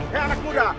hei anak muda